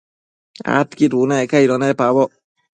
Adquid bunec aido nepaboc